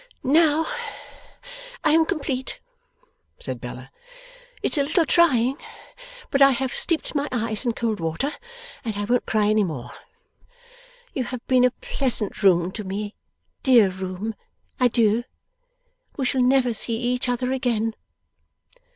'Now, I am complete,' said Bella. 'It's a little trying, but I have steeped my eyes in cold water, and I won't cry any more. You have been a pleasant room to me, dear room. Adieu! We shall never see each other again.